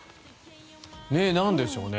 なんででしょうね。